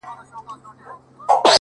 سترګي دي هغسي نسه وې” نسه یي ـ یې کړمه”